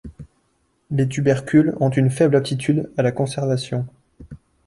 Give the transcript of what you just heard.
Les tubercules ont une faible aptitude à la conservation.